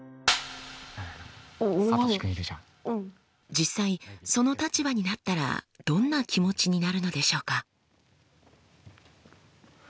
実際その立場になったらどんな気持ちになるのでしょうか？